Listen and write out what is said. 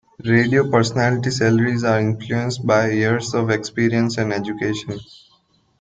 Radio personality salaries are influenced by years of experience and education.